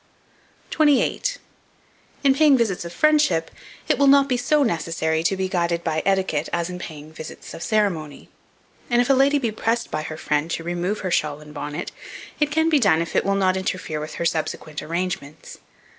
28. IN PAYING VISITS OF FRIENDSHIP, it will not be so necessary to be guided by etiquette as in paying visits of ceremony; and if a lady be pressed by her friend to remove her shawl and bonnet, it can be done if it will not interfere with her subsequent arrangements.